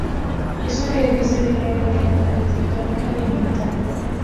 Es un edificio de gran calidad arquitectónica y ambiental.